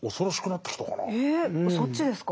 そっちですか？